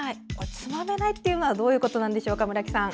つまめないというのはどういうことなんでしょうか？